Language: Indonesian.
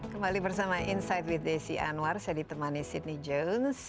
kembali bersama insight with desi anwar saya ditemani sydney jones